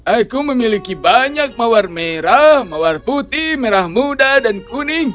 aku memiliki banyak mawar merah mawar putih merah muda dan kuning